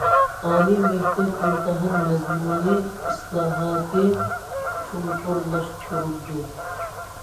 ئالىي مەكتەپ ئىمتىھان مەزمۇنى ئىسلاھاتى چوڭقۇرلاشتۇرۇلىدۇ.